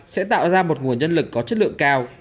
sẽ tạo ra một nguồn nhân lực có chất lượng cao